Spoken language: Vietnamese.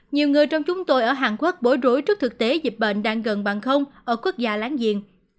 nhiều người trong chúng tôi ở hàn quốc bối bối rối trước thực tế dịch bệnh đang gần bằng không ở quốc gia láng giềng